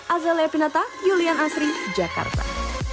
azalea pinata julian asri jakarta